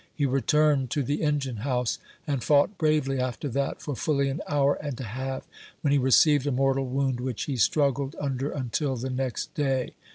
He returned to the engine house, and fought bravely after that for fully an hour and a half, when he received a mortal wound, which he struggled under until the next day.